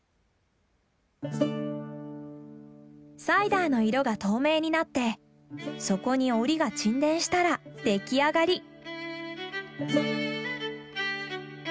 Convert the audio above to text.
サイダーの色が透明になって底におりが沈殿したら出来上がり。